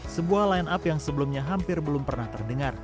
sebuah line up yang sebelumnya hampir belum pernah terdengar